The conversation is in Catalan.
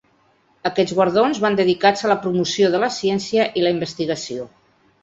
Aquests guardons van dedicats a la promoció de la ciència i la investigació.